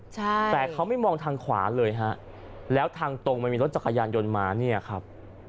ใช่แต่เขาไม่มองทางขวาเลยฮะแล้วทางตรงมันมีรถจักรยานยนต์มาเนี่ยครับ